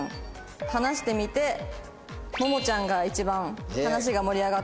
話してみてももちゃんが一番話が盛り上がったと。